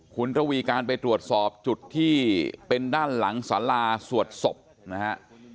คุณระวีการไปตรวจสอบจุดที่เป็นด้านหลังสาราสวดศพนะฮะ